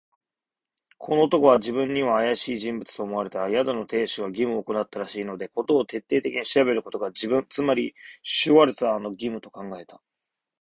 この男は自分にはあやしい人物と思われた。宿の亭主が義務をおこたったらしいので、事を徹底的に調べることが、自分、つまりシュワルツァーの義務と考えた。